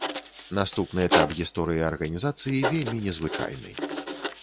Наступны этап гісторыі арганізацыі вельмі не звычайны.